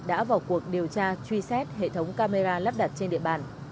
đã vào cuộc điều tra truy xét hệ thống camera lắp đặt trên địa bàn